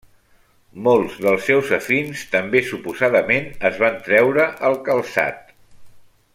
Molts dels seus afins també suposadament es van treure el calçat.